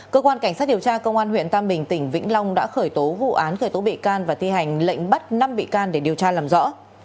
cơ quan cảnh sát điều tra công an huyện tam bình tỉnh vĩnh long đã khởi tố vụ án khởi tố bị can và thi hành lệnh bắt năm bị can để điều tra làm rõ